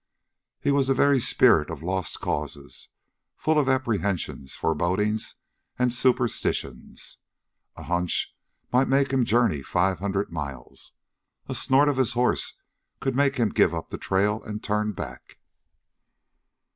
He was the very spirit of lost causes, full of apprehensions, foreboding, superstitions. A hunch might make him journey five hundred miles; a snort of his horse could make him give up the trail and turn back.